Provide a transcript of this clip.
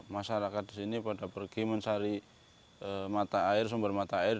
masyarakat di sini pada pergi mencari mata air sumber mata air